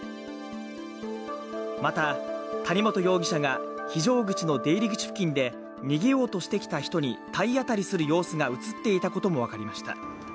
また谷本容疑者が非常口の出入り口付近で、逃げようとした人に体当たりする様子が映っていたことも分かりました。